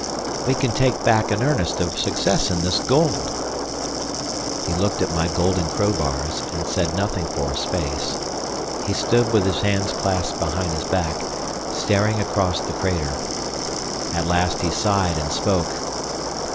"We can take back an earnest of success in this gold." He looked at my golden crowbars, and said nothing for a space. He stood with his hands clasped behind his back, staring across the crater. At last he signed and spoke.